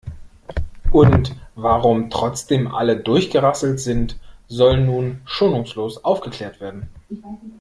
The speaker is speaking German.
Und warum trotzdem alle durchgerasselt sind, soll nun schonungslos aufgeklärt werden.